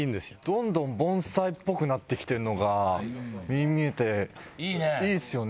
どんどん盆栽っぽくなってきてるのが目に見えていいっすよね